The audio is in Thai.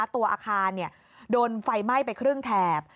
ตัวอาคารโดนไฟไหม้ไปครึ่งแถบ